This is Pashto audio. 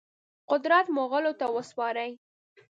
قدرت مغولو ته وسپاري.